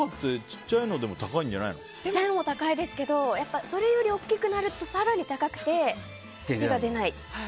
小さいのも高いですけどそれより大きくなると更に高くて手が出ない。